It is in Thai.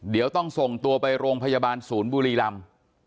เดี๋ยวต้องส่งตัวไปโรงพยาบาลศูนย์บุรีลำ